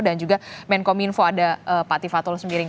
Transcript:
dan juga menkominfo ada pak tifatul sendiri